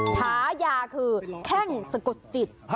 ฉายาคือแข้งสะกดจิต